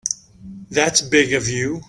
That's big of you.